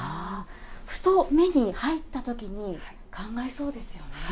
ふと目に入ったときに、考えそうですよね。